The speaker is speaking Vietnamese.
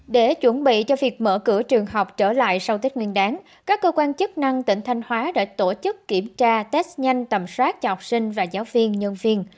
để chuẩn bị cho việc mở cửa trường học trở lại sau tết nguyên đáng các cơ quan chức năng tỉnh thanh hóa đã tổ chức kiểm tra test nhanh tầm soát cho học sinh và giáo viên nhân viên